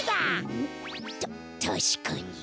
たたしかに。